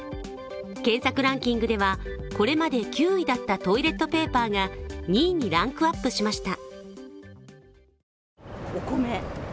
検索ランキングではこれまで９位だったトイレットペーパーが、２位にランクアップしました。